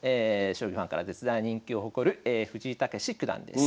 将棋ファンから絶大な人気を誇る藤井猛九段です。